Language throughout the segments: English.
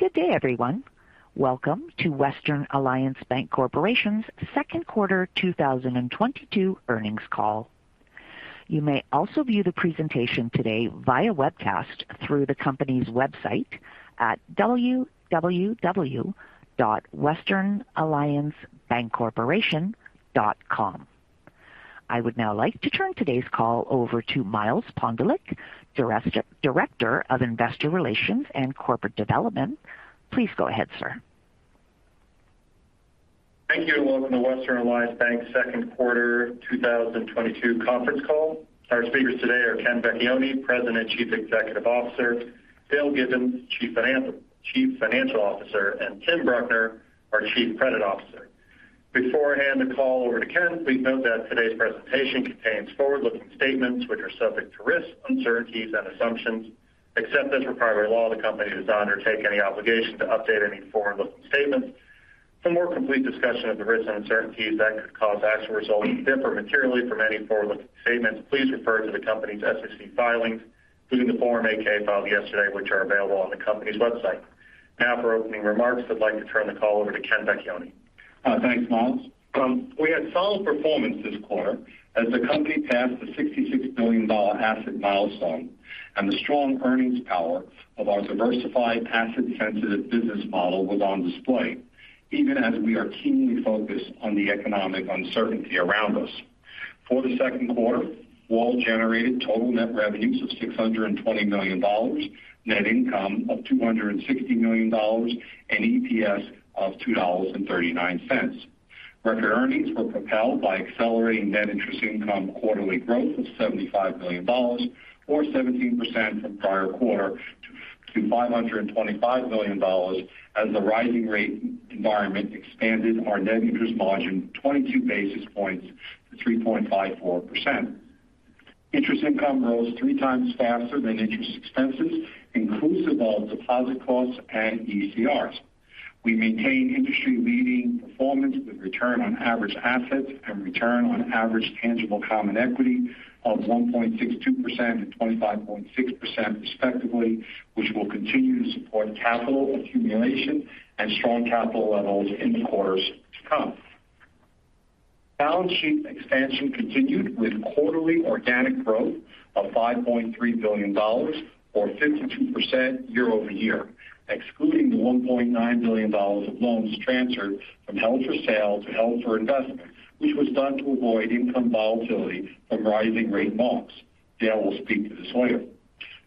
Good day, everyone. Welcome to Western Alliance Bancorporation's second quarter 2022 earnings call. You may also view the presentation today via webcast through the company's website at www.westernalliancebancorporation.com. I would now like to turn today's call over to Miles Pondelik, Director of Investor Relations and Corporate Development. Please go ahead, sir. Thank you, and welcome to Western Alliance Bank second quarter 2022 conference call. Our speakers today are Kenneth Vecchione, President and Chief Executive Officer, Dale Gibbons, Chief Financial Officer, and Tim Bruckner, our Chief Credit Officer. Before handing the call over to Kenneth, please note that today's presentation contains forward-looking statements which are subject to risks, uncertainties and assumptions. Except as required by law, the company does not undertake any obligation to update any forward-looking statements. For more complete discussion of the risks and uncertainties that could cause actual results to differ materially from any forward-looking statements, please refer to the company's SEC filings, including the Form 8-K filed yesterday, which are available on the company's website. Now for opening remarks, I'd like to turn the call over to Kenneth Vecchione. Thanks, Miles. We had solid performance this quarter as the company passed the $66 billion asset milestone and the strong earnings power of our diversified asset-sensitive business model was on display, even as we are keenly focused on the economic uncertainty around us. For the second quarter, WAL generated total net revenues of $620 million, net income of $260 million, and EPS of $2.39. Record earnings were propelled by accelerating net interest income quarterly growth of $75 million or 17% from prior quarter to $525 million as the rising rate environment expanded our net interest margin 22 basis points to 3.54%. Interest income rose three times faster than interest expenses, inclusive of deposit costs and ECRs. We maintain industry-leading performance with return on average assets and return on average tangible common equity of 1.62% and 25.6% respectively, which will continue to support capital accumulation and strong capital levels in the quarters to come. Balance sheet expansion continued with quarterly organic growth of $5.3 billion or 52% year over year, excluding the $1.9 billion of loans transferred from held for sale to held for investment, which was done to avoid income volatility from rising rate marks. Dale will speak to this later.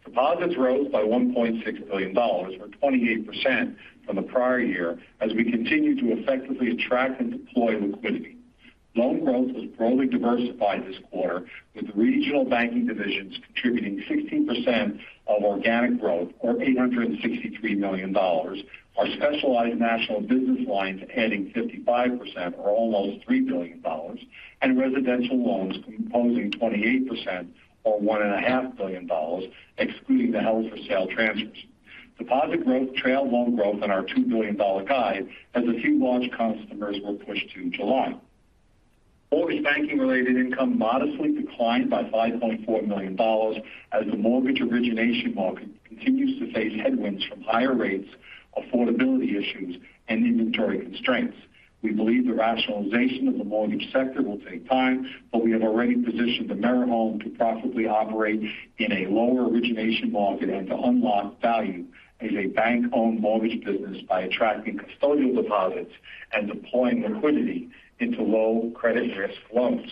Deposits rose by $1.6 billion or 28% from the prior year as we continue to effectively attract and deploy liquidity. Loan growth was broadly diversified this quarter, with regional banking divisions contributing 16% of organic growth or $863 million, our specialized national business lines adding 55% or almost $3 billion, and residential loans composing 28% or $1.5 billion, excluding the held for sale transfers. Deposit growth trailed loan growth on our $2 billion guide as a few large customers were pushed to July. Mortgage banking related income modestly declined by $5.4 million as the mortgage origination market continues to face headwinds from higher rates, affordability issues and inventory constraints. We believe the rationalization of the mortgage sector will take time, but we have already positioned the AmeriHome to profitably operate in a lower origination market and to unlock value as a bank-owned mortgage business by attracting custodial deposits and deploying liquidity into low credit risk loans.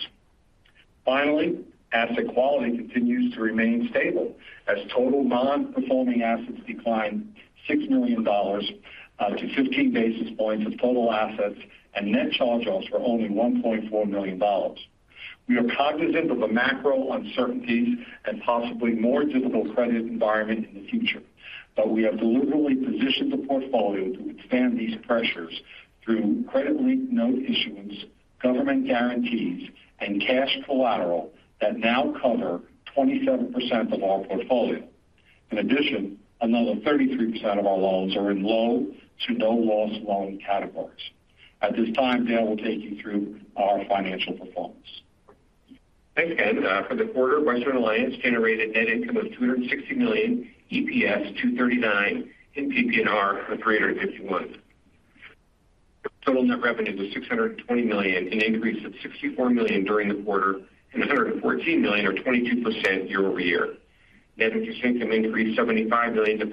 Finally, asset quality continues to remain stable as total non-performing assets declined $6 million to 15 basis points of total assets and net charge-offs were only $1.4 million. We are cognizant of the macro uncertainties and possibly more difficult credit environment in the future, but we have deliberately positioned the portfolio to withstand these pressures through credit-linked note issuance, government guarantees and cash collateral that now cover 27% of our portfolio. In addition, another 33% of our loans are in low to no loss loan categories. At this time, Dale will take you through our financial performance. Thanks, Kenneth. For the quarter, Western Alliance generated net income of $260 million, EPS 2.39, PPNR of $351 million. Total net revenue was $620 million, an increase of $64 million during the quarter and $114 million or 22% year-over-year. Net interest income increased $75 million to $525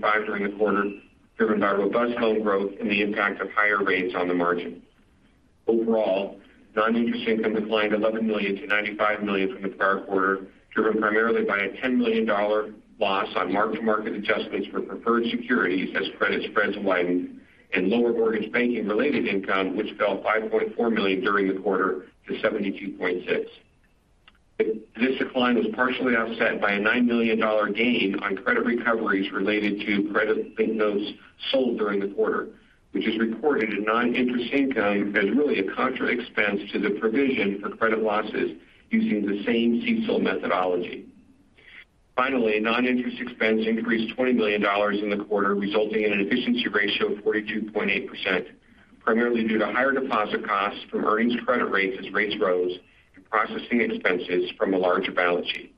million during the quarter, driven by robust loan growth and the impact of higher rates on the margin. Overall, non-interest income declined $11 million to $95 million from the prior quarter, driven primarily by a $10 million loss on mark-to-market adjustments for preferred securities as credit spreads widened and lower mortgage banking related income, which fell $5.4 million during the quarter to $72.6 million. This decline was partially offset by a $9 million gain on credit recoveries related to credit linked notes sold during the quarter, which is reported in non-interest income as really a contra expense to the provision for credit losses using the same CECL methodology. Finally, non-interest expense increased $20 million in the quarter, resulting in an efficiency ratio of 42.8%, primarily due to higher deposit costs from earnings credit rates as rates rose and processing expenses from a larger balance sheet.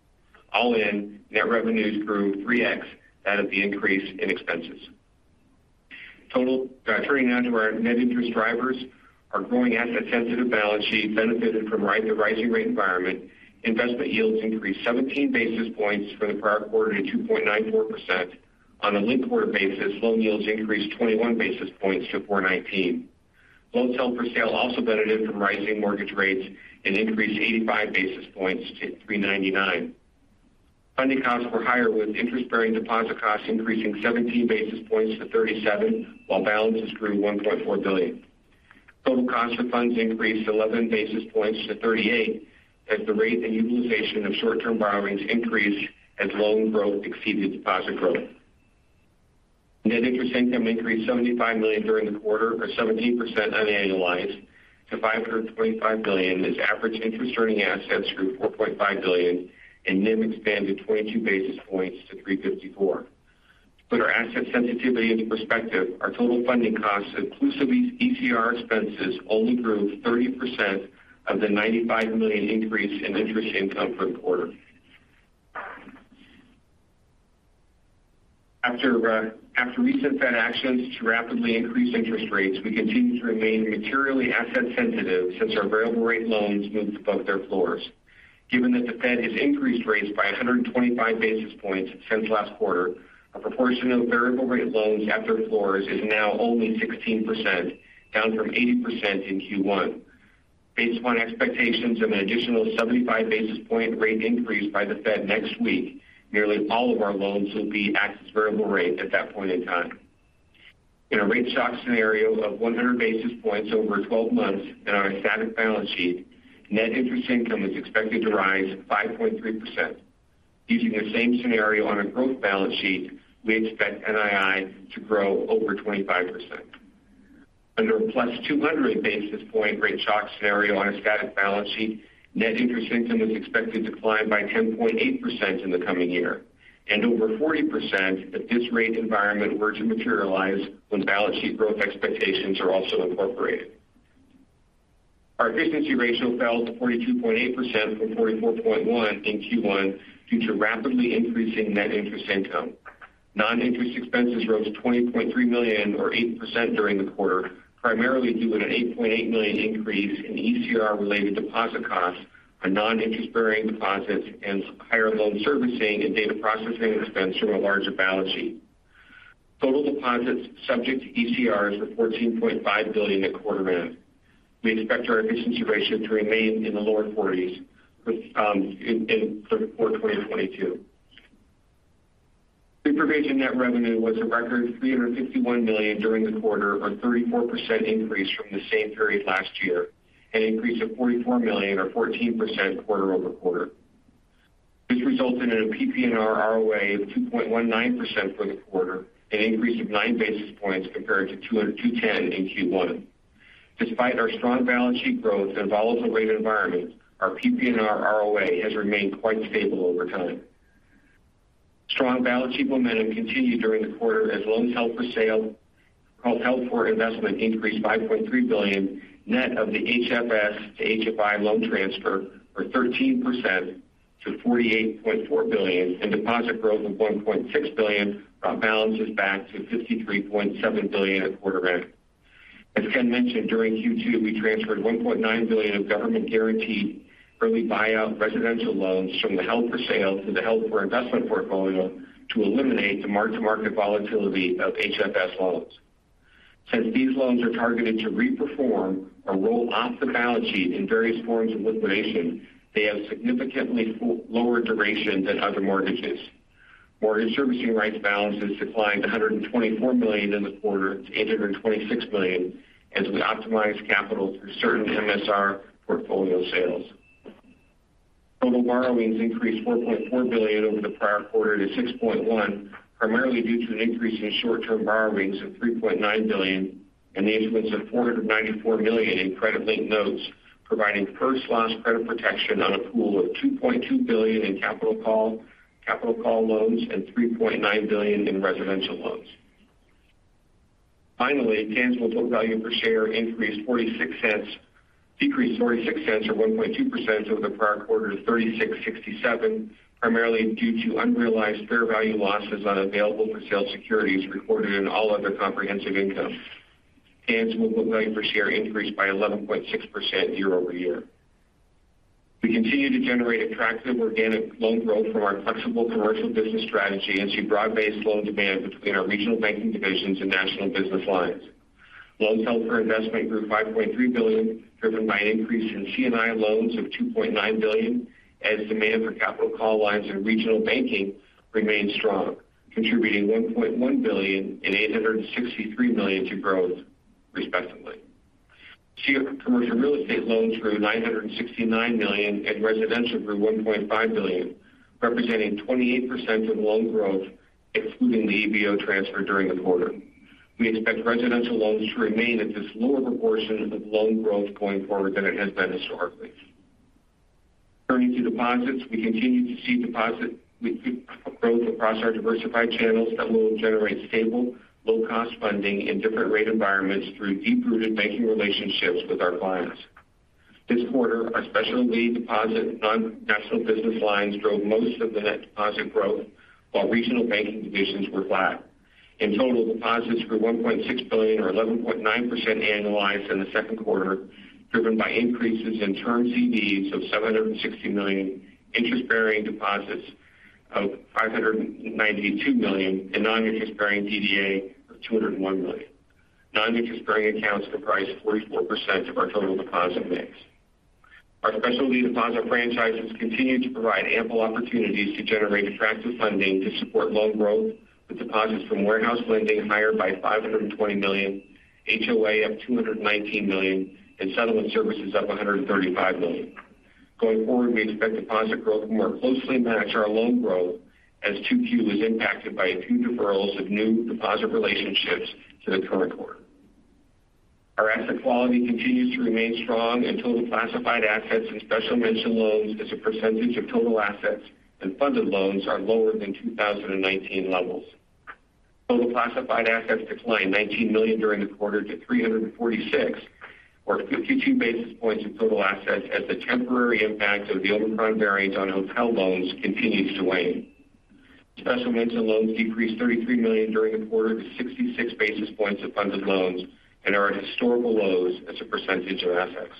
All in, net revenues grew 3x out of the increase in expenses. Turning now to our net interest drivers. Our growing asset sensitive balance sheet benefited from the rising rate environment. Investment yields increased 17 basis points from the prior quarter to 2.94%. On a linked quarter basis, loan yields increased 21 basis points to 4.19%. Loans held for sale also benefited from rising mortgage rates and increased 85 basis points to 3.99%. Funding costs were higher with interest-bearing deposit costs increasing 17 basis points to 37 while balances grew $1.4 billion. Total cost of funds increased 11 basis points to 38 as the rate and utilization of short-term borrowings increased as loan growth exceeded deposit growth. Net interest income increased $75 million during the quarter or 17% annualized to $525 million as average interest earning assets grew $4.5 billion and NIM expanded 22 basis points to 3.54%. To put our asset sensitivity into perspective, our total funding costs inclusive ECR expenses only grew 30% of the $95 million increase in interest income for the quarter. After recent Fed actions to rapidly increase interest rates, we continue to remain materially asset sensitive since our variable rate loans moved above their floors. Given that the Fed has increased rates by 125 basis points since last quarter, a proportion of variable rate loans at their floors is now only 16%, down from 80% in Q1. Based upon expectations of an additional 75 basis point rate increase by the Fed next week, nearly all of our loans will be at this variable rate at that point in time. In a rate shock scenario of 100 basis points over 12 months and on a static balance sheet, net interest income is expected to rise 5.3%. Using the same scenario on a growth balance sheet, we expect NII to grow over 25%. Under a +200 basis point rate shock scenario on a static balance sheet, net interest income is expected to climb by 10.8% in the coming year, and over 40% if this rate environment were to materialize when balance sheet growth expectations are also incorporated. Our efficiency ratio fell to 42.8% from 44.1% in Q1 due to rapidly increasing net interest income. Non-interest expenses rose $20.3 million or 8% during the quarter, primarily due to an $8.8 million increase in ECR related deposit costs on non-interest bearing deposits and higher loan servicing and data processing expense from a larger balance sheet. Total deposits subject to ECRs were $14.5 billion at quarter end. We expect our efficiency ratio to remain in the lower forties for 2022. Pre-provision net revenue was a record $351 million during the quarter, a 34% increase from the same period last year, an increase of $44 million or 14% quarter-over-quarter. This resulted in a PPNR ROA of 2.19% for the quarter, an increase of 9 basis points compared to 2.10% in Q1. Despite our strong balance sheet growth and volatile rate environment, our PPNR ROA has remained quite stable over time. Strong balance sheet momentum continued during the quarter as loans held for sale plus held for investment increased $5.3 billion net of the HFS to HFI loan transfer, or 13% to $48.4 billion, and deposit growth of $1.6 billion brought balances back to $53.7 billion at quarter end. As Kenneth mentioned, during Q2, we transferred $1.9 billion of government guaranteed early buyout residential loans from the held for sale to the held for investment portfolio to eliminate the mark-to-market volatility of HFS loans. Since these loans are targeted to reperform or roll off the balance sheet in various forms of liquidation, they have significantly lower duration than other mortgages. Mortgage servicing rights balances declined $124 million in the quarter to $826 million as we optimized capital through certain MSR portfolio sales. Total borrowings increased $4.4 billion over the prior quarter to $6.1 billion, primarily due to an increase in short-term borrowings of $3.9 billion and the issuance of $494 million in credit linked notes, providing first loss credit protection on a pool of $2.2 billion in capital call loans and $3.9 billion in residential loans. Finally, tangible book value per share decreased $0.46 or 1.2% over the prior quarter to $36.67, primarily due to unrealized fair value losses on available for sale securities recorded in all other comprehensive income. Tangible book value per share increased by 11.6% year-over-year. We continue to generate attractive organic loan growth from our flexible commercial business strategy and see broad-based loan demand between our regional banking divisions and national business lines. Loans held for investment grew $5.3 billion, driven by an increase in C&I loans of $2.9 billion as demand for capital call lines in regional banking remained strong, contributing $1.1 billion and $863 million to growth respectively. CRE commercial real estate loans grew $969 million and residential grew $1.5 billion, representing 28% of loan growth, excluding the ABO transfer during the quarter. We expect residential loans to remain at this lower proportion of loan growth going forward than it has been historically. Turning to deposits, we see growth across our diversified channels that will generate stable, low cost funding in different rate environments through deep-rooted banking relationships with our clients. This quarter, our specialty deposit non-national business lines drove most of the net deposit growth while regional banking divisions were flat. In total, deposits grew $1.6 billion or 11.9% annualized in the second quarter, driven by increases in term CDs of $760 million, interest-bearing deposits of $592 million, and non-interest-bearing DDA of $201 million. Non-interest-bearing accounts comprise 44% of our total deposit mix. Our specialty deposit franchises continue to provide ample opportunities to generate attractive funding to support loan growth with deposits from warehouse lending higher by $520 million, HOA up $219 million, and settlement services up $135 million. Going forward, we expect deposit growth to more closely match our loan growth as 2Q was impacted by a few deferrals of new deposit relationships to the current quarter. Our asset quality continues to remain strong, and total classified assets and special mention loans as a percentage of total assets and funded loans are lower than 2019 levels. Total classified assets declined $19 million during the quarter to $346 million, or 52 basis points of total assets as the temporary impact of the Omicron variant on hotel loans continues to wane. Special mention loans decreased $33 million during the quarter to 66 basis points of funded loans and are at historical lows as a percentage of assets.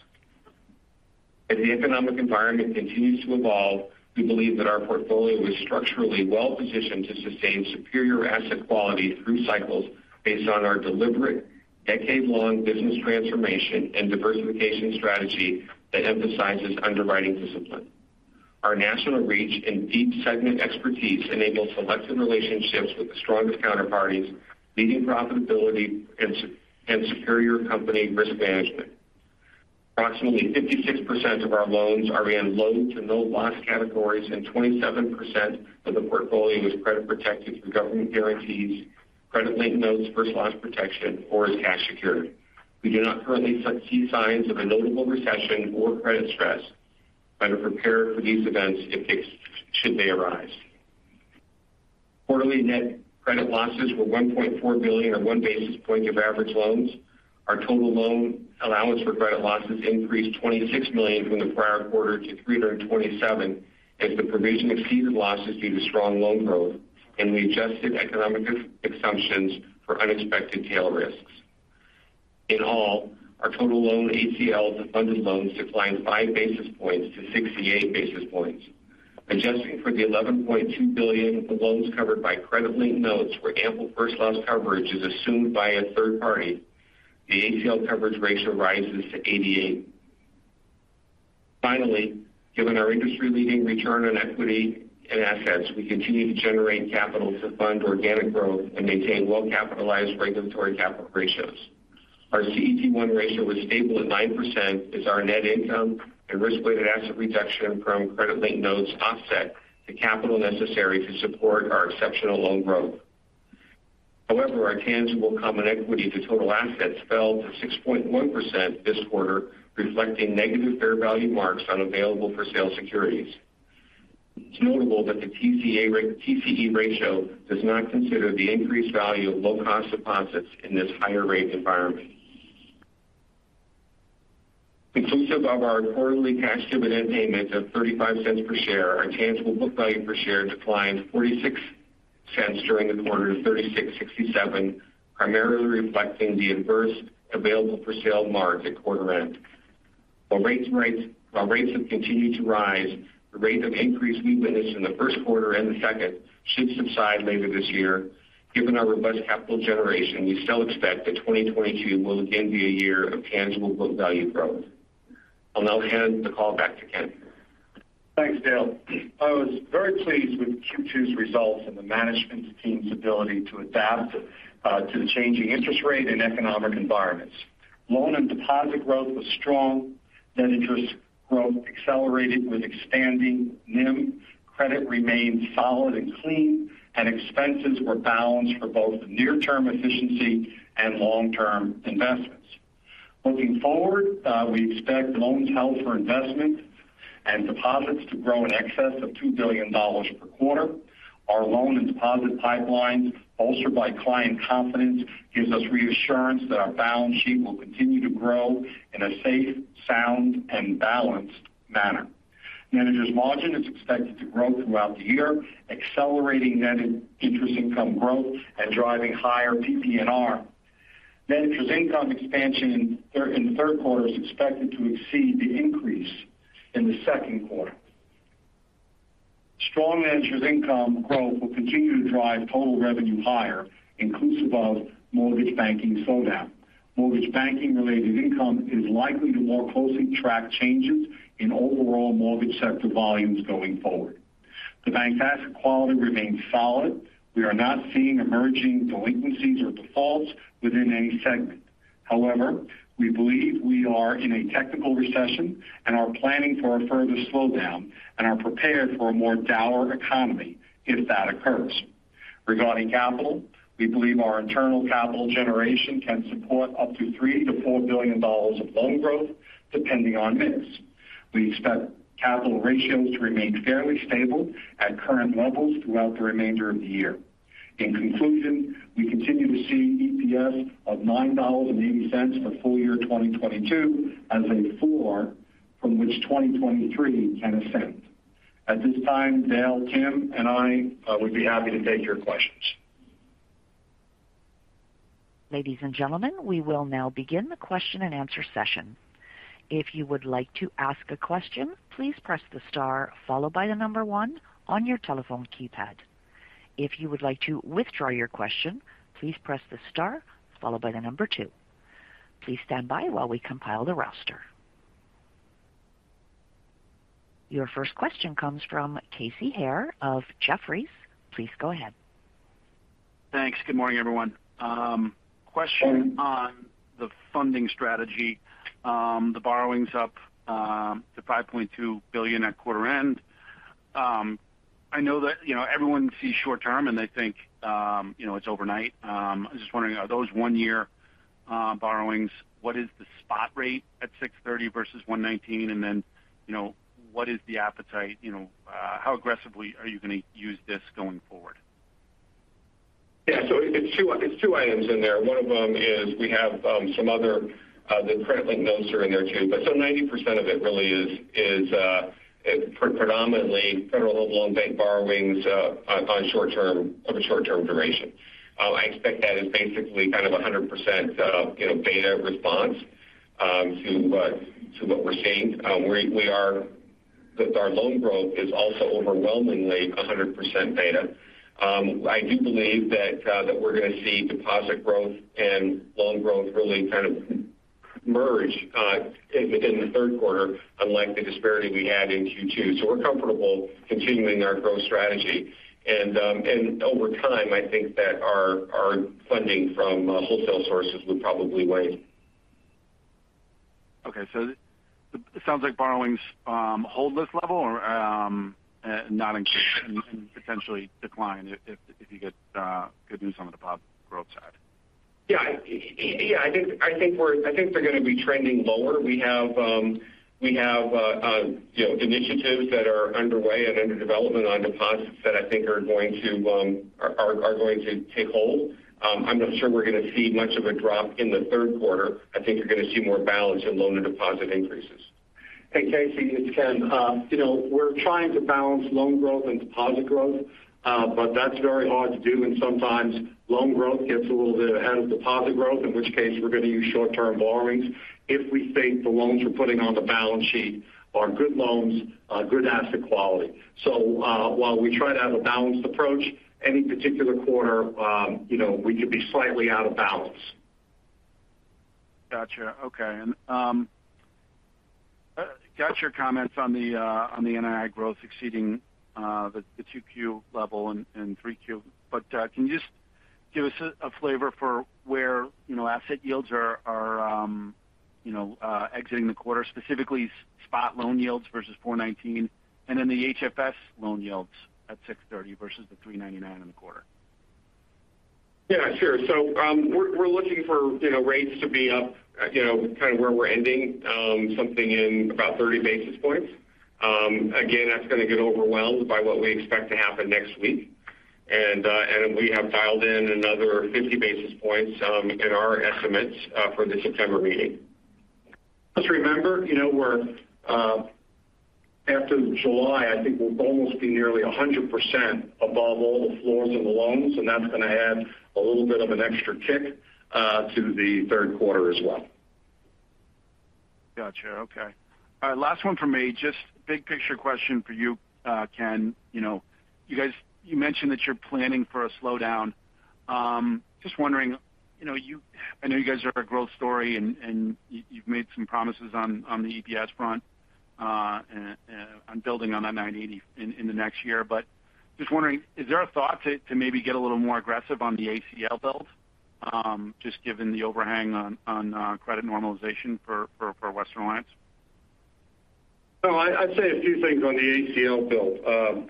As the economic environment continues to evolve, we believe that our portfolio is structurally well positioned to sustain superior asset quality through cycles based on our deliberate decade-long business transformation and diversification strategy that emphasizes underwriting discipline. Our national reach and deep segment expertise enable selected relationships with the strongest counterparties, leading profitability and superior company risk management. Approximately 56% of our loans are in low to no loss categories, and 27% of the portfolio is credit protected through government guarantees, credit-linked notes, first loss protection, or is cash secured. We do not currently see signs of a notable recession or credit stress, but are prepared for these events if should they arise. Quarterly net credit losses were $1.4 billion or 1 basis point of average loans. Our total loan allowance for credit losses increased $26 million from the prior quarter to $327 million as the provision exceeded losses due to strong loan growth and we adjusted economic assumptions for unexpected tail risks. In all, our total loan ACLs and funded loans declined 5 basis points to 68 basis points. Adjusting for the $11.2 billion of loans covered by credit-linked notes where ample first loss coverage is assumed by a third party, the ACL coverage ratio rises to 88. Finally, given our industry-leading return on equity and assets, we continue to generate capital to fund organic growth and maintain well-capitalized regulatory capital ratios. Our CET1 ratio was stable at 9% as our net income and risk-weighted asset reduction from credit-linked notes offset the capital necessary to support our exceptional loan growth. However, our tangible common equity to total assets fell to 6.1% this quarter, reflecting negative fair value marks on available-for-sale securities. It's notable that the TCE ratio does not consider the increased value of low-cost deposits in this higher rate environment. Inclusive of our quarterly cash dividend payment of $0.35 per share, our tangible book value per share declined $0.46 during the quarter to $36.67, primarily reflecting the adverse available-for-sale marks at quarter-end. While rates have continued to rise, the rate of increase we witnessed in the first quarter and the second should subside later this year. Given our robust capital generation, we still expect that 2022 will again be a year of tangible book value growth. I'll now hand the call back to Kenneth. Thanks, Dale. I was very pleased with Q2's results and the management team's ability to adapt to the changing interest rate and economic environments. Loan and deposit growth was strong. Net interest growth accelerated with expanding NIM. Credit remained solid and clean. Expenses were balanced for both near-term efficiency and long-term investments. Looking forward, we expect loans held for investment and deposits to grow in excess of $2 billion per quarter. Our loan and deposit pipeline, bolstered by client confidence, gives us reassurance that our balance sheet will continue to grow in a safe, sound and balanced manner. NIM is expected to grow throughout the year, accelerating net interest income growth and driving higher PPNR. Net interest income expansion in the third quarter is expected to exceed the increase in the second quarter. Strong net interest income growth will continue to drive total revenue higher, inclusive of mortgage banking slowdown. Mortgage banking-related income is likely to more closely track changes in overall mortgage sector volumes going forward. The bank asset quality remains solid. We are not seeing emerging delinquencies or defaults within any segment. However, we believe we are in a technical recession and are planning for a further slowdown and are prepared for a more dour economy if that occurs. Regarding capital, we believe our internal capital generation can support up to $3 billion-$4 billion of loan growth depending on mix. We expect capital ratios to remain fairly stable at current levels throughout the remainder of the year. In conclusion, we continue to see EPS of $9.80 for full year 2022 as a floor from which 2023 can ascend. At this time, Dale, Tim and I would be happy to take your questions. Ladies and gentlemen, we will now begin the question-and-answer session. If you would like to ask a question, please press the star followed by the 1 on your telephone keypad. If you would like to withdraw your question, please press the star followed by the 2. Please stand by while we compile the roster. Your first question comes from Casey Haire of Jefferies. Please go ahead. Thanks. Good morning, everyone. Question on the funding strategy. The borrowings up to $5.2 billion at quarter end. I know that, you know, everyone sees short term and they think, you know, it's overnight. I'm just wondering, are those one year borrowings, what is the spot rate at 6/30 versus 1/19? And then, you know, what is the appetite, you know, how aggressively are you going to use this going forward? Yeah. It's two items in there. One of them is we have some other, the credit-linked notes are in there too. But 90% of it really is predominantly Federal Home Loan Bank borrowings on short-term duration. I expect that is basically kind of 100%, you know, beta response to what we're seeing. Our loan growth is also overwhelmingly 100% beta. I do believe that we're going to see deposit growth and loan growth really kind of merge in the third quarter, unlike the disparity we had in Q2. We're comfortable continuing our growth strategy. Over time, I think that our funding from wholesale sources would probably wane. Okay. It sounds like borrowings hold this level, not increase and potentially decline if you get good news on the deposit growth side. I think they're going to be trending lower. We have you know initiatives that are underway and under development on deposits that I think are going to take hold. I'm not sure we're going to see much of a drop in the third quarter. I think you're going to see more balance in loan to deposit increases. Hey, Casey, it's Kenneth. You know, we're trying to balance loan growth and deposit growth, but that's very hard to do. Sometimes loan growth gets a little bit ahead of deposit growth, in which case we're going to use short-term borrowings if we think the loans we're putting on the balance sheet are good loans, good asset quality. While we try to have a balanced approach, any particular quarter, you know, we could be slightly out of balance. Got you. Okay. Got your comments on the NII growth exceeding the 2Q level and 3Q. Can you just give us a flavor for where you know asset yields are exiting the quarter, specifically spot loan yields versus 4.19%, and then the HFS loan yields at 6.30% versus the 3.99% in the quarter? Yeah, sure. We're looking for, you know, rates to be up, you know, kind of where we're ending, something in about 30 basis points. Again, that's going to get overwhelmed by what we expect to happen next week. We have dialed in another 50 basis points in our estimates for the September meeting. Just remember, you know, we're after July, I think we'll almost be nearly 100% above all the floors of the loans, and that's going to add a little bit of an extra kick to the third quarter as well. Got you. Okay. All right, last one for me. Just big picture question for you, Kenneth. You know, you guys, you mentioned that you're planning for a slowdown. Just wondering, you know, you, I know you guys are a growth story and you've made some promises on the EPS front, on building on that $9.80 in the next year. But just wondering, is there a thought to maybe get a little more aggressive on the ACL build, just given the overhang on creit normalization for Western Alliance? No. I'd say a few things on the ACL build.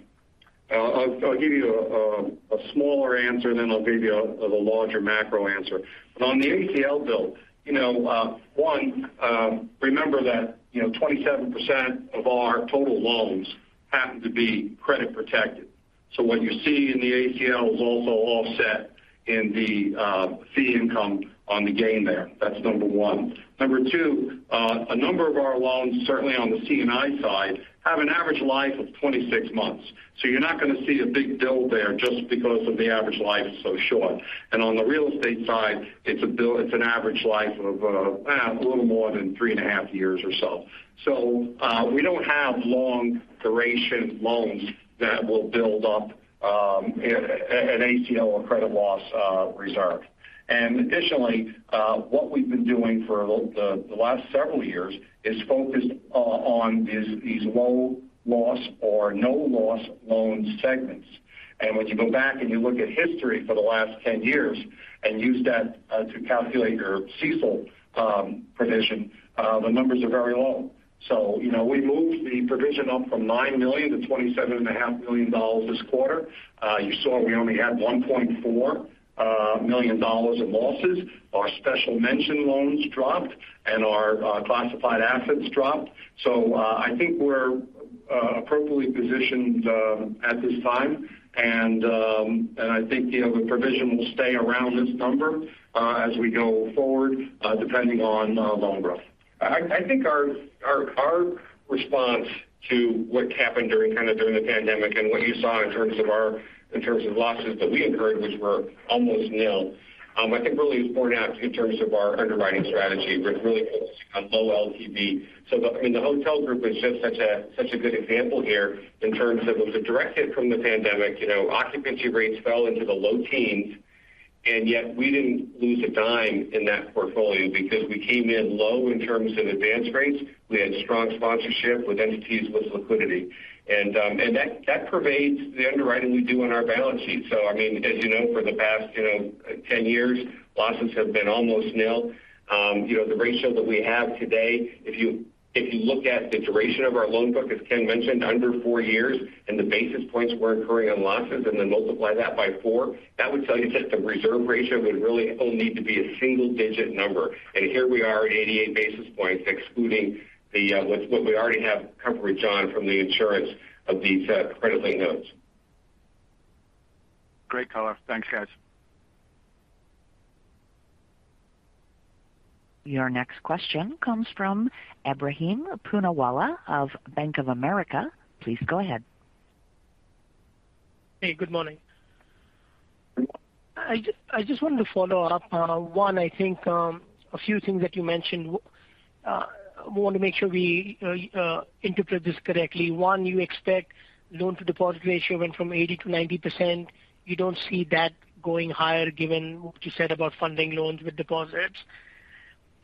I'll give you a smaller answer, then I'll give you a larger macro answer. On the ACL build, you know, one, remember that, you know, 27% of our total loans happen to be credit protected. So what you see in the ACL is also offset in the fee income on the gain there. That's number one. Number two, a number of our loans, certainly on the C&I side, have an average life of 26 months. So you're not going to see a big build there just because of the average life is so short. On the real estate side, it's a build. It's an average life of a little more than three and a half years or so. We don't have long duration loans that will build up an ACL or credit loss reserve. Additionally, what we've been doing for the last several years is focused on these low loss or no loss loan segments. Once you go back and you look at history for the last 10 years and use that to calculate your CECL provision, the numbers are very low. You know, we moved the provision up from $9 million to $27 and a half million this quarter. You saw we only had $1.4 million in losses. Our special mention loans dropped and our classified assets dropped. I think we're appropriately positioned at this time. I think, you know, the provision will stay around this number as we go forward depending on loan growth. I think our response to what happened during the pandemic and what you saw in terms of losses that we incurred, which were almost nil, I think really is borne out in terms of our underwriting strategy, which really is a low LTV. I mean, the hotel group is just such a good example here in terms of it was a direct hit from the pandemic. You know, occupancy rates fell into the low teens, and yet we didn't lose a dime in that portfolio because we came in low in terms of advance rates. We had strong sponsorship with entities with liquidity. That pervades the underwriting we do on our balance sheet. I mean, as you know, for the past, you know, 10 years, losses have been almost nil. You know, the ratio that we have today, if you look at the duration of our loan book, as Kenneth mentioned, under four years, and the basis points we're incurring on losses and then multiply that by four, that would tell you that the reserve ratio would really only need to be a single-digit number. Here we are at 88 basis points, excluding the what we already have coverage on from the insurance of these credit-linked notes. Great color. Thanks, guys. Your next question comes from Ebrahim Poonawala of Bank of America. Please go ahead. Hey, good morning. I just wanted to follow up. One, I think, a few things that you mentioned. Want to make sure we interpret this correctly. One, you expect loan to deposit ratio went from 80%-90%. You don't see that going higher given what you said about funding loans with deposits.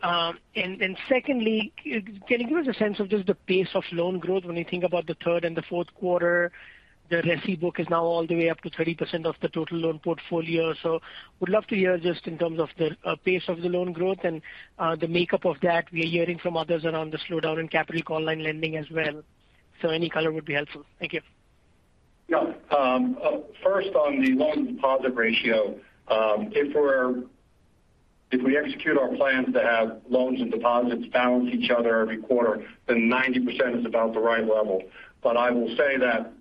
And secondly, can you give us a sense of just the pace of loan growth when you think about the third and the fourth quarter? The RESI book is now all the way up to 30% of the total loan portfolio. So would love to hear just in terms of the pace of the loan growth and the makeup of that. We are hearing from others around the slowdown in capital call line lending as well. So any color would be helpful. Thank you. Yeah. First on the loan deposit ratio. If we execute our plans to have loans and deposits balance each other every quarter, then 90% is about the right level. I will say that,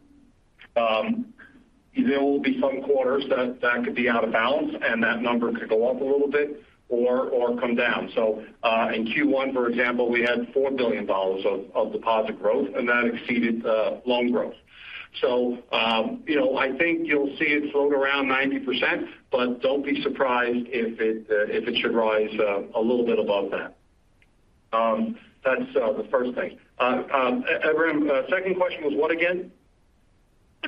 there will be some quarters that could be out of balance and that number could go up a little bit or come down. In Q1, for example, we had $4 billion of deposit growth, and that exceeded loan growth. You know, I think you'll see it float around 90%, but don't be surprised if it should rise a little bit above that. That's the first thing. Ebrahim, the second question was what again?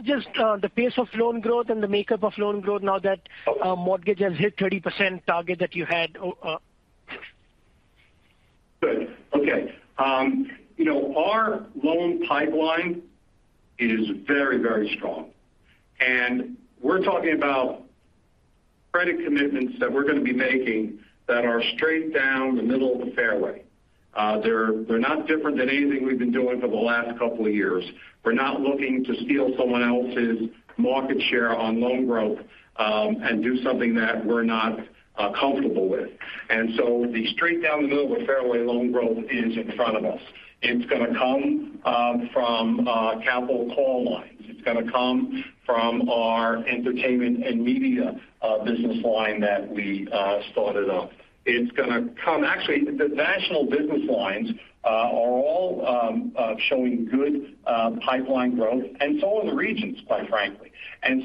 Just the pace of loan growth and the makeup of loan growth now that mortgage has hit 30% target that you had. Good. Okay. You know, our loan pipeline is very, very strong. We're talking about credit commitments that we're going to be making that are straight down the middle of the fairway. They're not different than anything we've been doing for the last couple of years. We're not looking to steal someone else's market share on loan growth, and do something that we're not comfortable with. The straight down the middle of a fairway loan growth is in front of us. It's going to come from capital call lines. It's going to come from our entertainment and media business line that we started up. Actually, the national business lines are all showing good pipeline growth and so are the regions, quite frankly.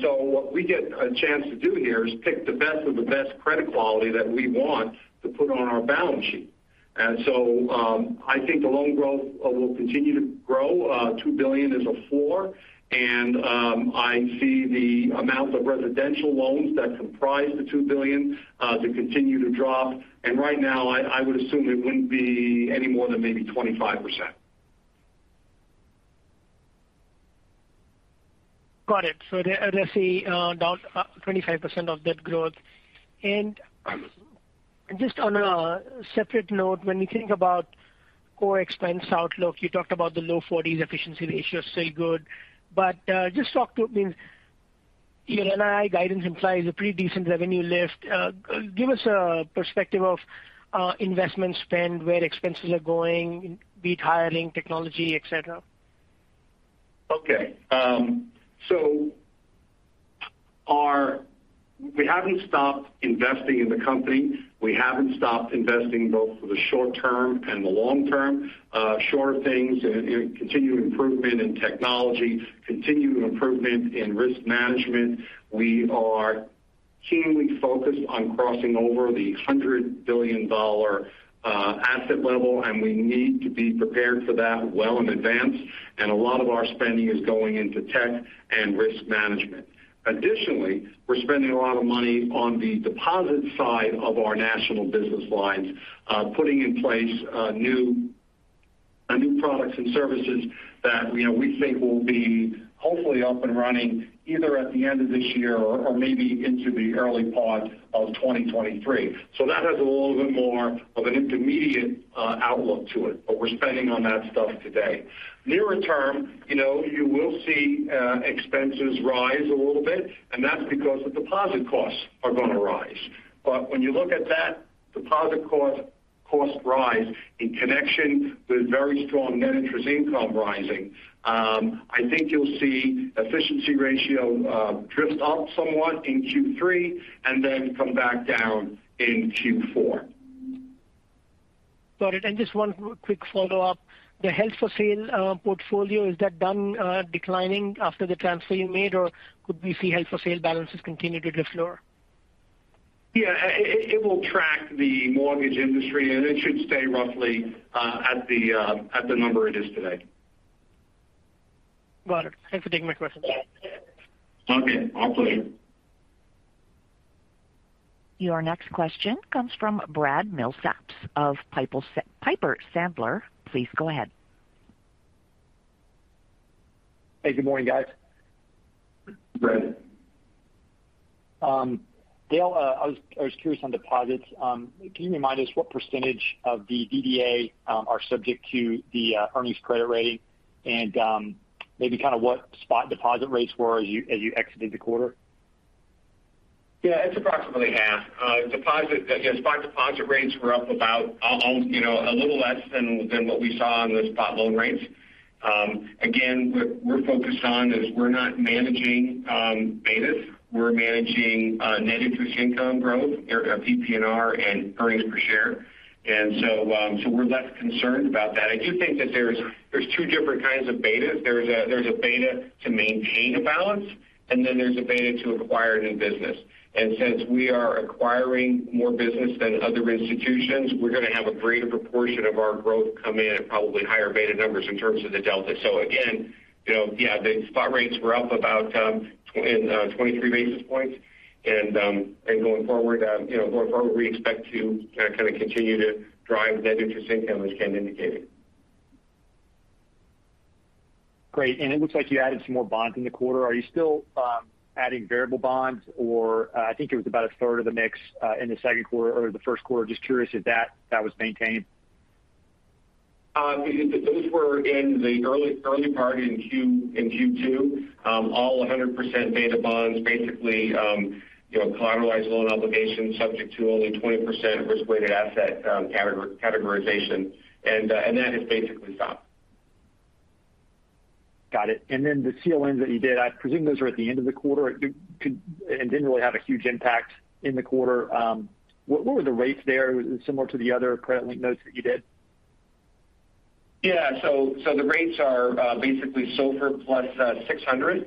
What we get a chance to do here is pick the best of the best credit quality that we want to put on our balance sheet. I think the loan growth will continue to grow. $2 billion is a floor. I see the amount of residential loans that comprise the $2 billion to continue to drop. Right now, I would assume it wouldn't be any more than maybe 25%. Got it. The RESI down 25% of that growth. Just on a separate note, when you think about core expense outlook, you talked about the low forties efficiency ratio, still good. Just talk to me. Your NII guidance implies a pretty decent revenue lift. Give us a perspective of investment spend, where expenses are going, be it hiring, technology, et cetera. Okay. We haven't stopped investing in the company. We haven't stopped investing both for the short term and the long term. Shorter things, you know, continued improvement in technology, continued improvement in risk management. We are keenly focused on crossing over the $100 billion asset level, and we need to be prepared for that well in advance. A lot of our spending is going into tech and risk management. Additionally, we're spending a lot of money on the deposit side of our national business lines, putting in place new products and services that, you know, we think will be hopefully up and running either at the end of this year or maybe into the early part of 2023. That has a little bit more of an intermediate outlook to it, but we're spending on that stuff today. Nearer term, you know, you will see expenses rise a little bit, and that's because the deposit costs are going to rise. When you look at that deposit cost rise in connection with very strong net interest income rising. I think you'll see efficiency ratio drift up somewhat in Q3 and then come back down in Q4. Got it. Just one quick follow-up. The held for sale portfolio, is that done declining after the transfer you made, or could we see held for sale balances continue to drift lower? Yeah, it will track the mortgage industry and it should stay roughly at the number it is today. Got it. Thanks for taking my question. Okay. Our pleasure. Your next question comes from Brad Milsaps of Piper Sandler. Please go ahead. Hey, good morning, guys. Brad. Dale, I was curious on deposits. Can you remind us what percentage of the DDA are subject to the earnings credit rate and maybe kind of what spot deposit rates were as you exited the quarter? Yeah, it's approximately half. Deposit, again, spot deposit rates were up about a little less than what we saw on the spot loan rates. Again, we're focused on is we're not managing betas, we're managing net interest income growth or PPNR and earnings per share. We're less concerned about that. I do think that there's two different kinds of betas. There's a beta to maintain a balance, and then there's a beta to acquire new business. Since we are acquiring more business than other institutions, we're going to have a greater proportion of our growth come in at probably higher beta numbers in terms of the delta. Again, you know, the spot rates were up about 23 basis points. Going forward, you know, we expect to kind of continue to drive net interest income as Kenneth indicated. Great. It looks like you added some more bonds in the quarter. Are you still adding variable bonds or I think it was about a third of the mix in the second quarter or the first quarter. Just curious if that was maintained. Those were in the early part in Q1 in Q2. All 100% beta bonds, basically, you know, collateralized loan obligations subject to only 20% risk-weighted asset categorization. That has basically stopped. Got it. Then the CLNs that you did, I presume those were at the end of the quarter and didn't really have a huge impact in the quarter. What were the rates there? Was it similar to the other credit-linked notes that you did? The rates are basically SOFR plus 600.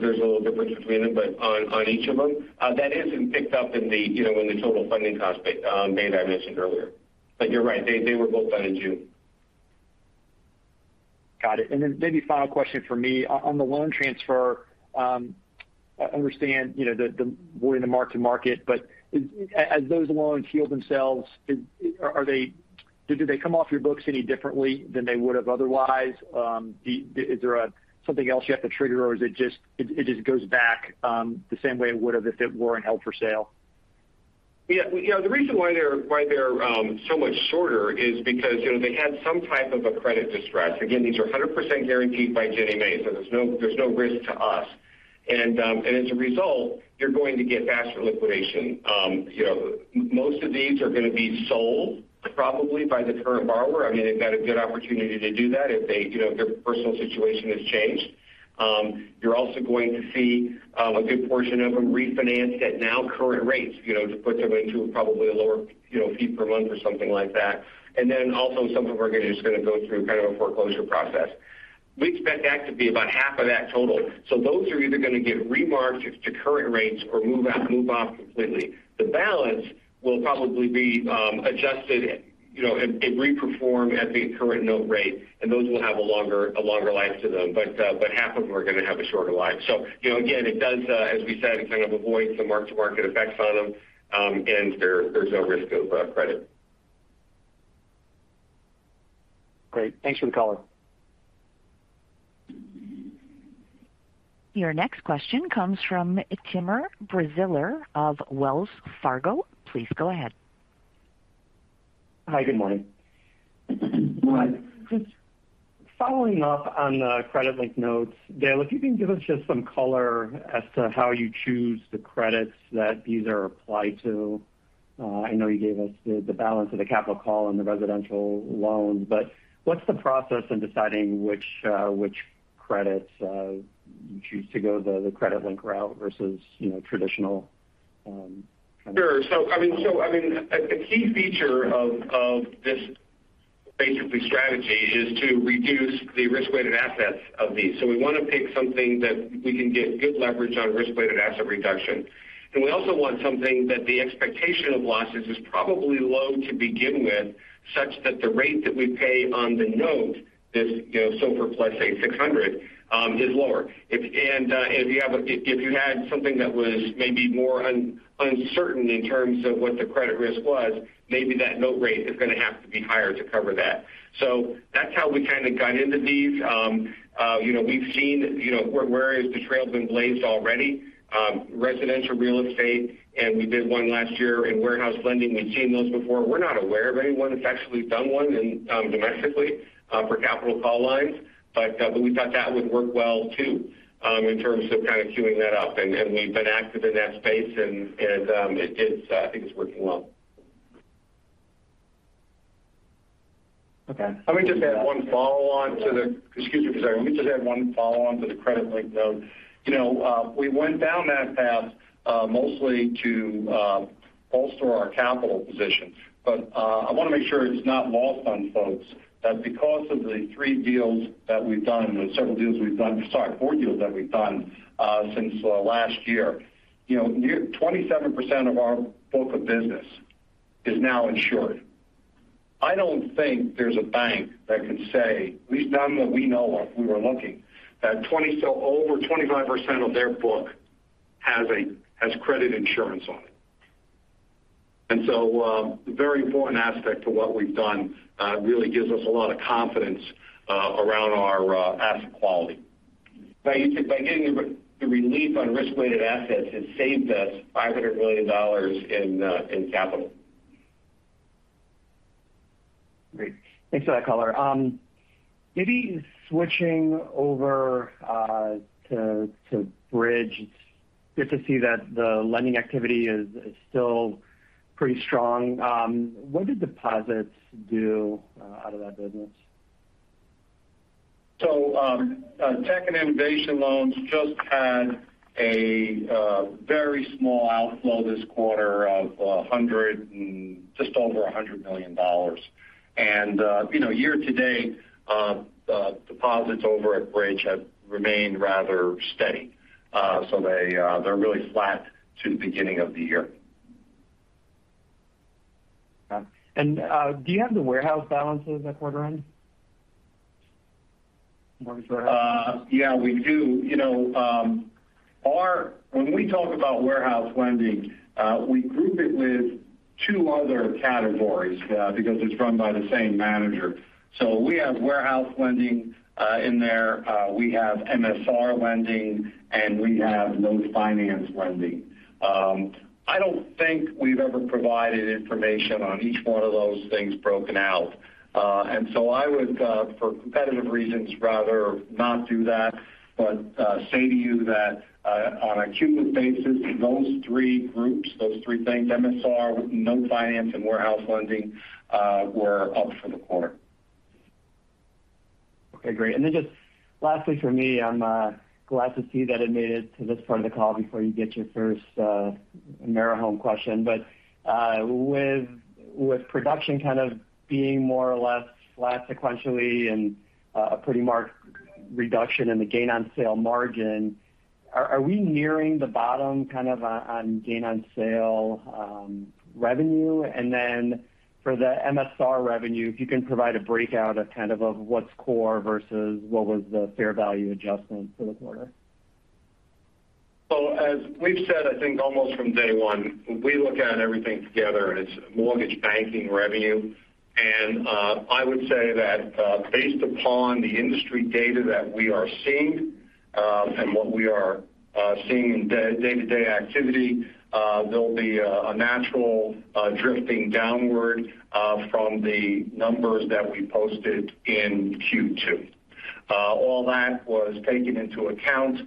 There's a little difference between them, but on each of them. That isn't picked up in the, you know, in the total funding cost data I mentioned earlier. You're right, they were both done in June. Got it. Maybe final question for me. On the loan transfer, I understand, you know, the avoiding the mark-to-market, but as those loans heal themselves, do they come off your books any differently than they would have otherwise? Is there something else you have to trigger, or is it just it goes back the same way it would have if it weren't held for sale? Yeah. You know, the reason why they're so much shorter is because, you know, they had some type of a credit distress. Again, these are 100% guaranteed by Ginnie Mae, so there's no risk to us. As a result, you're going to get faster liquidation. You know, most of these are going to be sold probably by the current borrower. I mean, they've got a good opportunity to do that if they, you know, their personal situation has changed. You're also going to see a good portion of them refinanced at now current rates, you know, to put them into probably a lower, you know, fee per month or something like that. Then also some of them are just going to go through kind of a foreclosure process. We expect that to be about half of that total. Those are either going to get remarched to current rates or move off completely. The balance will probably be adjusted, you know, and reperformed at the current note rate, and those will have a longer life to them. Half of them are going to have a shorter life. You know, again, it does, as we said, it kind of avoids some mark-to-market effects on them. There's no risk of credit. Great. Thanks for the color. Your next question comes from Timur Braziler of Wells Fargo. Please go ahead. Hi. Good morning. Good morning. Just following up on the credit-linked notes. Dale, if you can give us just some color as to how you choose the credits that these are applied to? I know you gave us the balance of the capital call on the residential loans, but what's the process in deciding which credits you choose to go the credit-linked route versus, you know, traditional? Sure. I mean, a key feature of this basic strategy is to reduce the risk-weighted assets of these. We want to pick something that we can get good leverage on risk-weighted asset reduction. We also want something that the expectation of losses is probably low to begin with, such that the rate that we pay on the note, this, you know, SOFR plus, say, 600, is lower. If you had something that was maybe more uncertain in terms of what the credit risk was, maybe that note rate is going to have to be higher to cover that. That's how we kind of got into these. You know, we've seen, you know, where the trail has been blazed already, residential real estate, and we did one last year in warehouse lending. We've seen those before. We're not aware of anyone that's actually done one in domestically for capital call lines. But we thought that would work well too, in terms of kind of cueing that up. It is, I think it's working well. Okay. Let me just add one follow-on to the credit-linked note. You know, we went down that path, mostly to bolster our capital position. I want to make sure it's not lost on folks that because of the four deals that we've done since last year. You know, 27% of our book of business is now insured. I don't think there's a bank that can say, at least none that we know of, we were looking, that so over 25% of their book has credit insurance on it. A very important aspect of what we've done really gives us a lot of confidence around our asset quality. By getting the relief on risk-weighted assets, it saved us $500 million in capital. Great. Thanks for that color. Maybe switching over to Bridge. Good to see that the lending activity is still pretty strong. What did deposits do out of that business? Tech and innovation loans just had a very small outflow this quarter of $100 and just over $100 million. You know, year to date, deposits over at Bridge have remained rather steady. They're really flat to the beginning of the year. Okay. Do you have the warehouse balances at quarter end? Yeah, we do. You know, when we talk about warehouse lending, we group it with two other categories, because it's run by the same manager. We have warehouse lending in there. We have MSR lending, and we have note finance lending. I don't think we've ever provided information on each one of those things broken out. I would, for competitive reasons, rather not do that, but say to you that, on a cumulative basis, those three groups, those three things, MSR, note finance, and warehouse lending, were up for the quarter. Okay, great. Then just lastly for me, I'm glad to see that I made it to this part of the call before you get your first AmeriHome question. With production kind of being more or less flat sequentially and a pretty marked reduction in the gain on sale margin, are we nearing the bottom kind of on gain on sale revenue? Then for the MSR revenue, if you can provide a breakout of kind of what's core versus what was the fair value adjustment for the quarter. As we've said, I think almost from day one, we look at everything together, and it's mortgage banking revenue. I would say that, based upon the industry data that we are seeing, and what we are seeing in day-to-day activity, there'll be a natural drifting downward from the numbers that we posted in Q2. All that was taken into account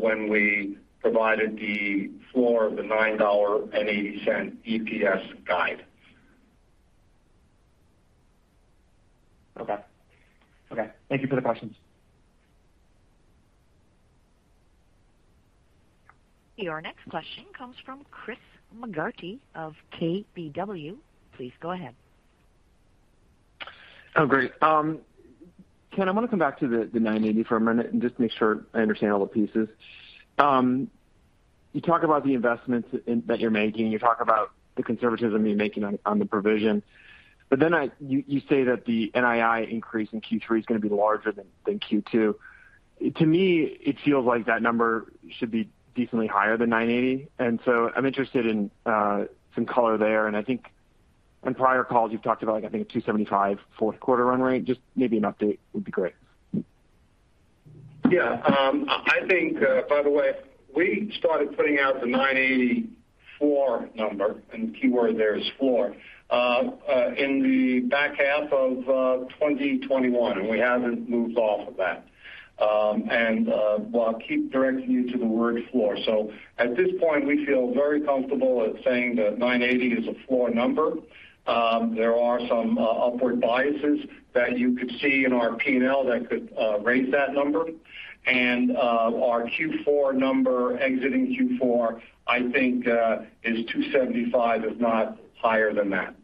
when we provided the floor of the $9.80 EPS guide. Okay. Thank you for the questions. Your next question comes from Chris McGratty of KBW. Please go ahead. Oh, great. Kenneth, I want to come back to the $980 for a minute and just make sure I understand all the pieces. You talk about the investments you're making, you talk about the conservatism you're making on the provision. You say that the NII increase in Q3 is going to be larger than Q2. To me, it feels like that number should be decently higher than $980, and so I'm interested in some color there. I think on prior calls you've talked about $275 fourth quarter run rate. Just maybe an update would be great. Yeah. I think, by the way, we started putting out the $984 number, and the key word there is floor, in the back half of 2021, and we haven't moved off of that. Well, I'll keep directing you to the word floor. At this point, we feel very comfortable saying that $980 is a floor number. There are some upward biases that you could see in our P&L that could raise that number. Our Q4 number exiting Q4, I think, is $275, if not higher than that.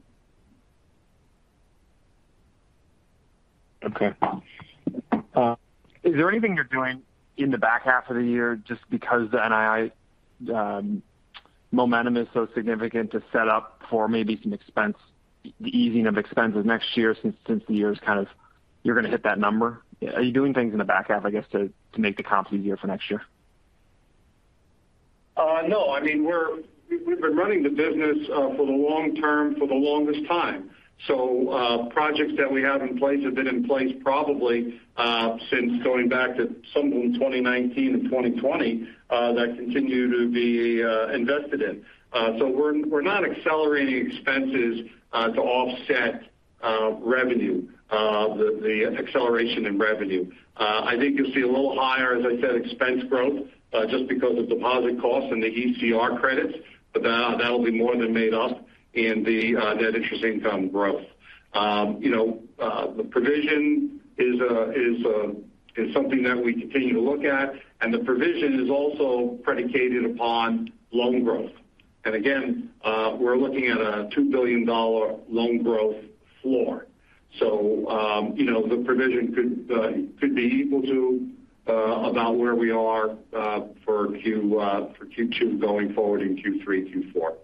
Okay. Is there anything you're doing in the back half of the year just because the NII momentum is so significant to set up for maybe some expense, the easing of expenses next year since the year is kind of you're going to hit that number? Are you doing things in the back half, I guess, to make the comps easier for next year? No. I mean, we've been running the business for the long term for the longest time. Projects that we have in place have been in place probably since going back to somewhere in 2019 and 2020, that continue to be invested in. We're not accelerating expenses to offset the acceleration in revenue. I think you'll see a little higher, as I said, expense growth just because of deposit costs and the ECR credits, but that'll be more than made up in the net interest income growth. You know, the provision is something that we continue to look at, and the provision is also predicated upon loan growth. Again, we're looking at a $2 billion loan growth floor. You know, the provision could be equal to about where we are for Q2 going forward in Q3, Q4.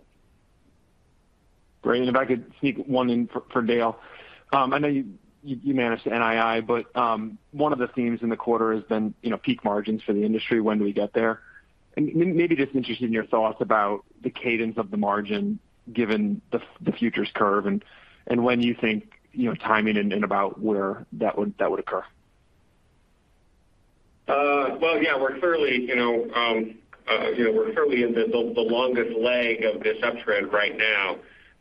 Great. If I could sneak one in for Dale. I know you managed NII, but one of the themes in the quarter has been, you know, peak margins for the industry. When do we get there? Maybe just interested in your thoughts about the cadence of the margin given the futures curve and when you think, you know, timing and about where that would occur. Well, yeah, we're clearly, you know, in the longest leg of this uptrend right now.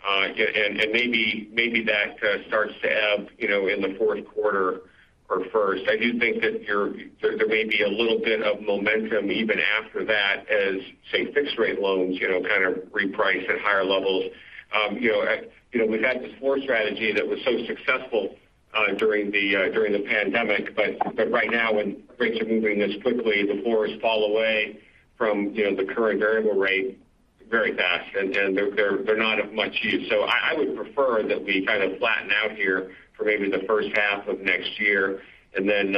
And maybe that starts to ebb, you know, in the fourth quarter or first. I do think that there may be a little bit of momentum even after that as, say, fixed rate loans, you know, kind of reprice at higher levels. You know, we've had this floor strategy that was so successful during the pandemic. But right now, when rates are moving this quickly, the floors fall away from, you know, the current variable rate very fast. And they're not of much use. I would prefer that we kind of flatten out here for maybe the first half of next year and then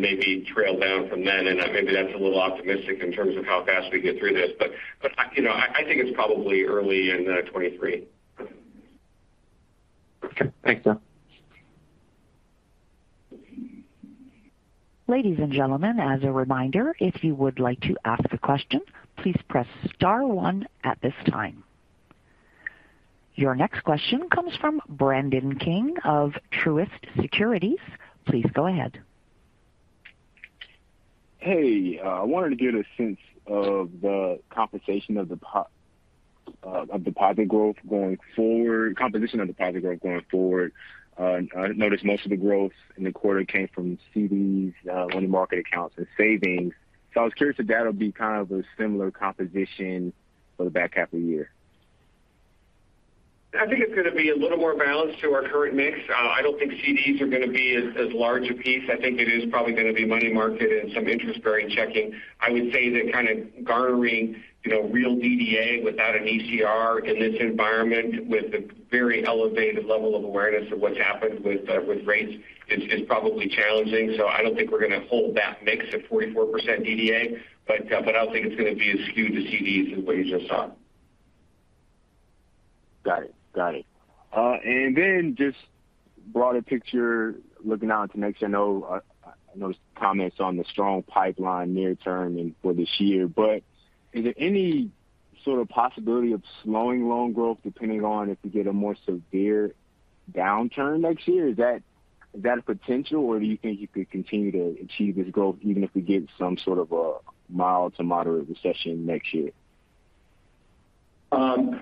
maybe trail down from then. Maybe that's a little optimistic in terms of how fast we get through this. You know, I think it's probably early in 2023. Okay. Thanks, Dale. Ladies and gentlemen, as a reminder, if you would like to ask a question, please press star one at this time. Your next question comes from Brandon King of Truist Securities. Please go ahead. Hey, I wanted to get a sense of the composition of deposit growth going forward. I noticed most of the growth in the quarter came from CDs, money market accounts, and savings. I was curious if that'll be kind of a similar composition for the back half of the year. I think it's going to be a little more balanced to our current mix. I don't think CDs are going to be as large a piece. I think it is probably going to be money market and some interest-bearing checking. I would say that kind of garnering, you know, real DDA without an ECR in this environment with the very elevated level of awareness of what's happened with rates is probably challenging. I don't think we're going to hold that mix at 44% DDA. I don't think it's going to be as skewed to CDs as what you just saw. Got it. Just broader picture looking out to next year. I know there's comments on the strong pipeline near term and for this year. Is there any sort of possibility of slowing loan growth depending on if we get a more severe downturn next year? Is that a potential, or do you think you could continue to achieve this growth even if we get some sort of a mild to moderate recession next year?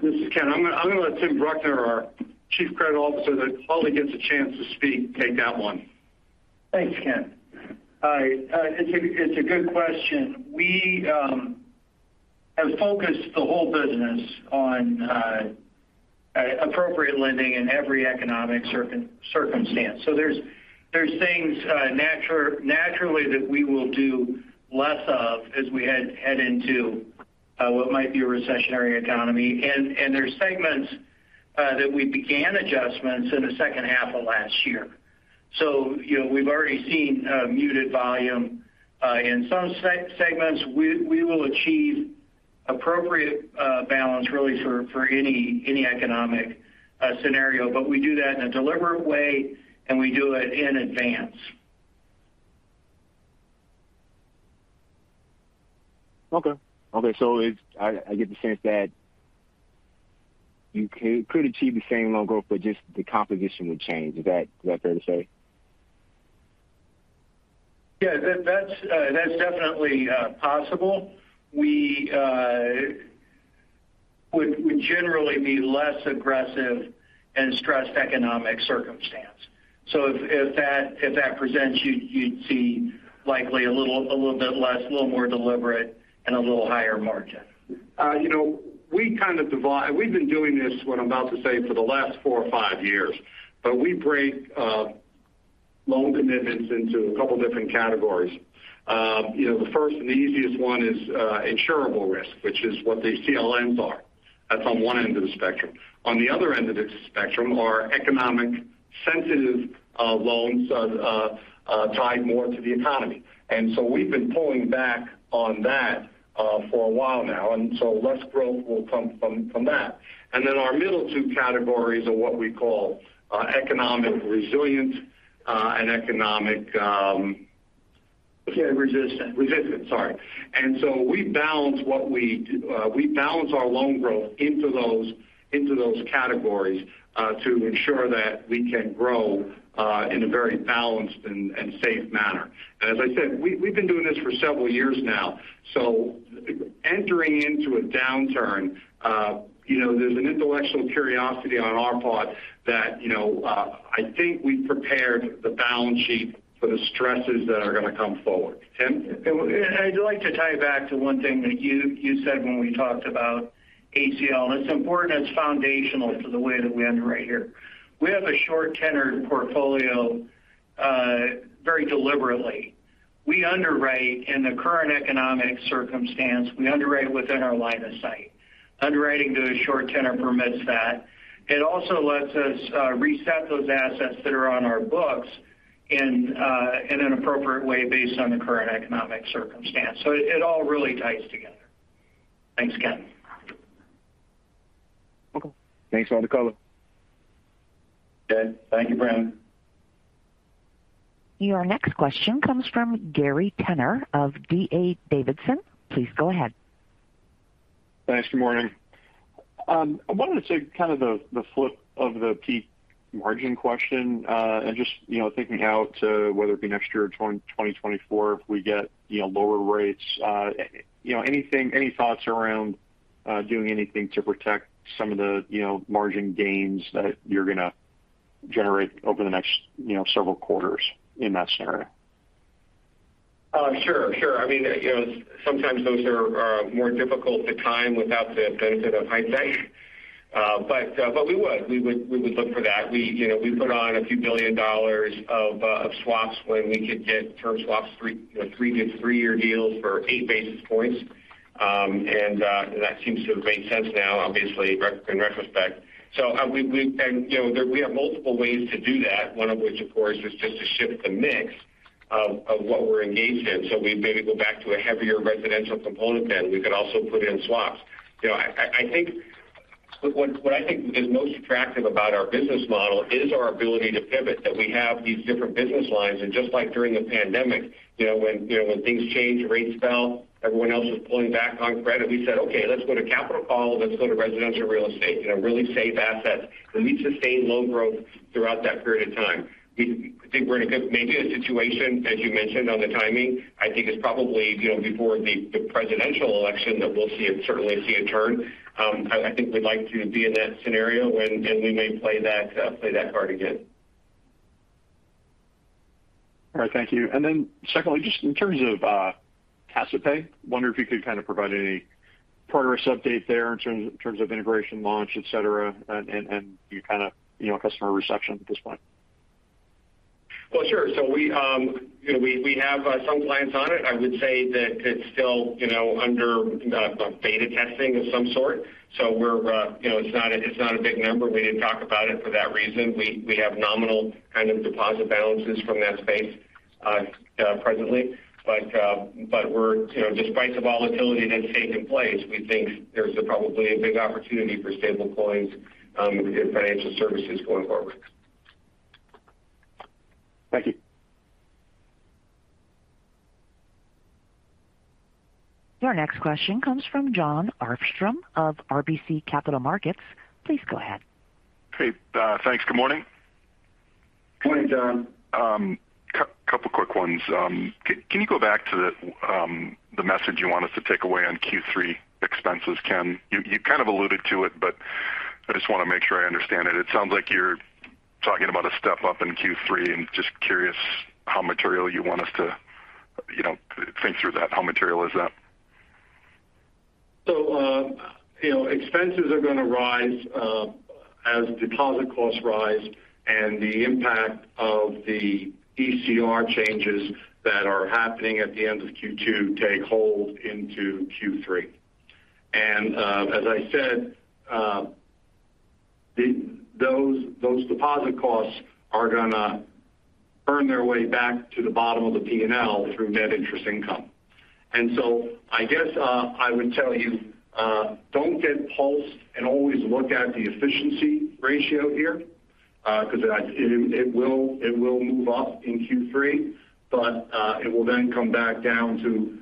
This is Kenneth. I'm gonna let Tim Bruckner, our Chief Credit Officer, that hardly gets a chance to speak, take that one. Thanks, Kenneth. It's a good question. We have focused the whole business on appropriate lending in every economic circumstance. There's things naturally that we will do less of as we head into what might be a recessionary economy. There's segments that we began adjustments in the second half of last year. You know, we've already seen muted volume in some segments. We will achieve appropriate balance really for any economic scenario. We do that in a deliberate way, and we do it in advance. Okay. I get the sense that you could achieve the same loan growth, but just the composition would change. Is that fair to say? That's definitely possible. We would generally be less aggressive in a stressed economic circumstance. If that presents, you'd see likely a little bit less, a little more deliberate and a little higher margin. You know, we've been doing this, what I'm about to say, for the last four or five years. We break loan commitments into a couple different categories. You know, the first and the easiest one is insurable risk, which is what the CLMs are. That's on one end of the spectrum. On the other end of the spectrum are economic sensitive loans tied more to the economy. We've been pulling back on that for a while now, and less growth will come from that. Our middle two categories are what we call economic resilience and economic Yeah, resistance. Resilience, sorry. We balance our loan growth into those categories to ensure that we can grow in a very balanced and safe manner. As I said, we've been doing this for several years now. Entering into a downturn, you know, there's an intellectual curiosity on our part that, you know, I think we've prepared the balance sheet for the stresses that are going to come forward. Tim? I'd like to tie it back to one thing that you said when we talked about ACL, and it's important, it's foundational to the way that we underwrite here. We have a short tenored portfolio. Very deliberately. We underwrite in the current economic circumstance, we underwrite within our line of sight. Underwriting to a short tenor permits that. It also lets us reset those assets that are on our books in an appropriate way based on the current economic circumstance. It all really ties together. Thanks, Kenneth. Okay. Thanks for all the color. Okay. Thank you, Brandon. Your next question comes from Gary Tenner of D.A. Davidson. Please go ahead. Thanks. Good morning. I wanted to take kind of the flip of the peak margin question, and just, you know, thinking out to whether it be next year or 2024 if we get, you know, lower rates. You know, any thoughts around doing anything to protect some of the, you know, margin gains that you're going to generate over the next, you know, several quarters in that scenario? Sure, sure. I mean, you know, sometimes those are more difficult to time without the benefit of hindsight. We would look for that. We would look for that. You know, we put on $a few billion of swaps when we could get term swaps 3- to 3-year deals for eight basis points. That seems to have made sense now, obviously in retrospect. We have multiple ways to do that, one of which, of course, is just to shift the mix of what we're engaged in. We maybe go back to a heavier residential component then. We could also put in swaps. You know, I think what I think is most attractive about our business model is our ability to pivot, that we have these different business lines. Just like during the pandemic, you know, when, you know, when things change, rates fell, everyone else was pulling back on credit. We said, "Okay, let's go to capital call, let's go to residential real estate," you know, really safe assets. We sustained loan growth throughout that period of time. We think we're in a good maybe a situation, as you mentioned on the timing. I think it's probably, you know, before the presidential election that we'll see it certainly see a turn. I think we'd like to be in that scenario and we may play that play that card again. All right. Thank you. Secondly, just in terms of CasaPay, wonder if you could kind of provide any progress update there in terms of integration, launch, et cetera. You kind of, you know, customer reception at this point. Well, sure. We, you know, have some clients on it. I would say that it's still, you know, under beta testing of some sort. We're, you know, it's not a big number. We didn't talk about it for that reason. We have nominal kind of deposit balances from that space presently. We're, you know, despite the volatility that's taken place, we think there's probably a big opportunity for stablecoins in financial services going forward. Thank you. Your next question comes from Jon Arfstrom of RBC Capital Markets. Please go ahead. Hey. Thanks. Good morning. Morning, Jon. Couple quick ones. Can you go back to the message you want us to take away on Q3 expenses, Kenneth? You kind of alluded to it, but I just want to make sure I understand it. It sounds like you're talking about a step up in Q3 and just curious how material you want us to, you know, think through that. How material is that? You know, expenses are going to rise as deposit costs rise and the impact of the ECR changes that are happening at the end of Q2 take hold into Q3. As I said, those deposit costs are gonna earn their way back to the bottom of the P&L through net interest income. I guess I would tell you, don't get flustered and always look at the efficiency ratio here, because it will move up in Q3, but it will then come back down to,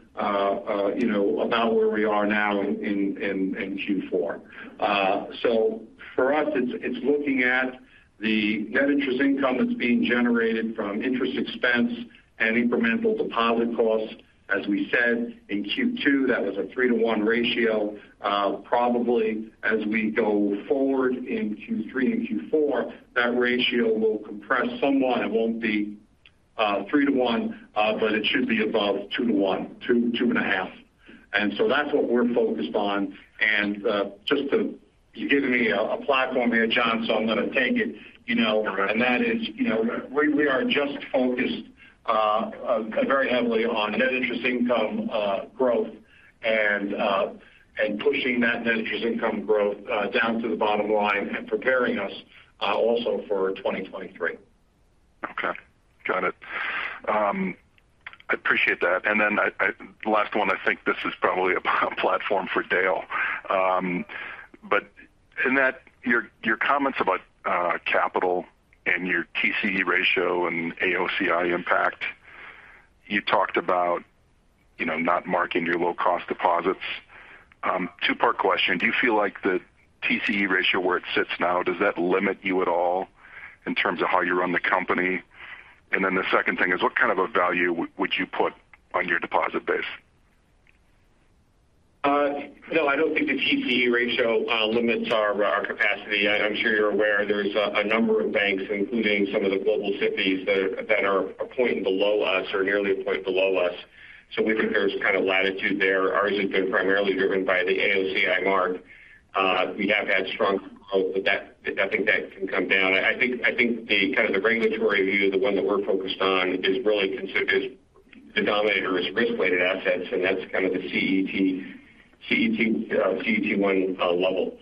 you know, about where we are now in Q4. For us, it's looking at the net interest income that's being generated from interest expense and incremental deposit costs. As we said in Q2, that was a 3-to-1 ratio. Probably as we go forward in Q3 and Q4, that ratio will compress somewhat. It won't be 3-to-1, but it should be above 2-to-1, 2.5. That's what we're focused on. You're giving me a platform here, Jon, so I'm going to take it, you know. All right. That is, you know, we are just focused very heavily on net interest income growth and pushing that net interest income growth down to the bottom line and preparing us also for 2023. Okay. Got it. I appreciate that. Last one, I think this is probably a platform for Dale. Your comments about capital and your TCE ratio and AOCI impact, you talked about, you know, not marking your low cost deposits. Two-part question. Do you feel like the TCE ratio where it sits now, does that limit you at all in terms of how you run the company? And then the second thing is, what kind of a value would you put on your deposit base? No, I don't think the TCE ratio limits our capacity. I'm sure you're aware there's a number of banks, including some of the G-SIBs that are a point below us or nearly a point below us. We think there's kind of latitude there. Ours has been primarily driven by the AOCI mark. We have had strong growth, but that, I think that can come down. I think the kind of the regulatory view, the one that we're focused on is really considered, the denominator is risk-weighted assets, and that's kind of the CET1 level.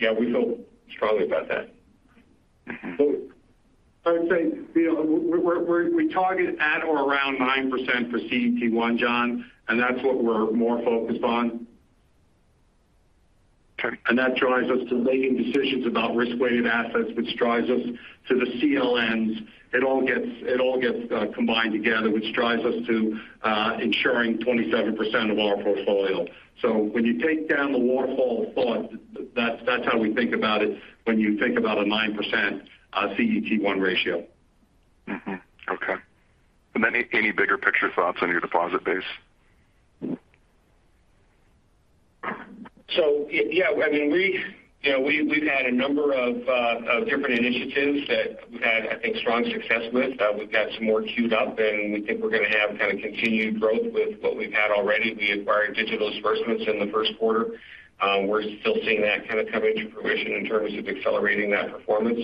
Yeah, we feel strongly about that. I would say, you know, we target at or around 9% for CET1, Jon, and that's what we're more focused on. Okay. That drives us to making decisions about risk-weighted assets, which drives us to the CLNs. It all gets combined together, which drives us to ensuring 27% of our portfolio. When you take down the waterfall thought, that's how we think about it when you think about a 9% CET1 ratio. Okay. Any bigger picture thoughts on your deposit base? Yeah. I mean, you know, we've had a number of different initiatives that we've had, I think, strong success with. We've got some more queued up, and we think we're going to have kind of continued growth with what we've had already. We acquired Digital Disbursements in the first quarter. We're still seeing that kind of come into fruition in terms of accelerating that performance.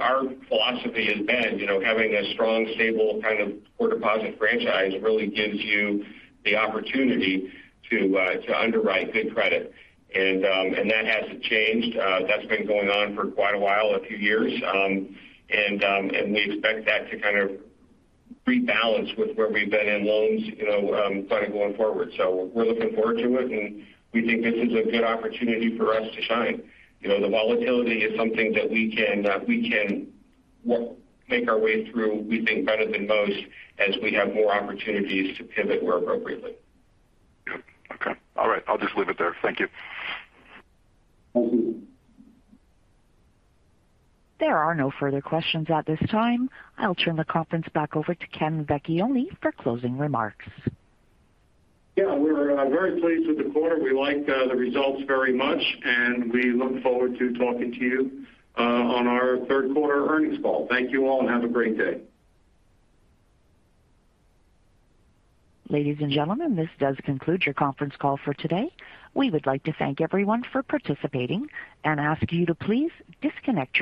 Our philosophy has been, you know, having a strong, stable kind of core deposit franchise really gives you the opportunity to underwrite good credit. That hasn't changed. That's been going on for quite a while, a few years. We expect that to kind of rebalance with where we've been in loans, you know, kind of going forward. We're looking forward to it, and we think this is a good opportunity for us to shine. You know, the volatility is something that we can make our way through, we think, better than most as we have more opportunities to pivot where appropriately. Yeah. Okay. All right, I'll just leave it there. Thank you. Thank you. There are no further questions at this time. I'll turn the conference back over to Kenneth Vecchione for closing remarks. Yeah. We're very pleased with the quarter. We like the results very much, and we look forward to talking to you on our third quarter earnings call. Thank you all, and have a great day. Ladies and gentlemen, this does conclude your conference call for today. We would like to thank everyone for participating and ask you to please disconnect your lines.